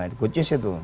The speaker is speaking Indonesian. nah itu gocis itu